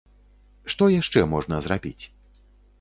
Што яшчэ можна зрабіць?